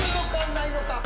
ないのか？